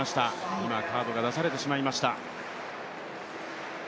今、カードが出されてしまいました